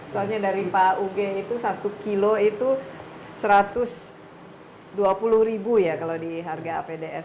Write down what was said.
soalnya dari pak uge itu satu kilo itu satu ratus dua puluh ribu ya kalau di harga apds